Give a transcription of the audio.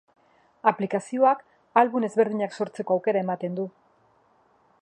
Aplikazioak album ezberdinak sortzeko aukera ematen du.